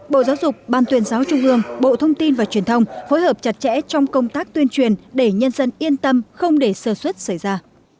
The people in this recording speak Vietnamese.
bộ giáo dục ban tuyên giáo trung ương bộ thông tin và truyền thông phối hợp chặt chẽ trong công tác tuyên truyền để nhân dân yên tâm không để sơ xuất xảy ra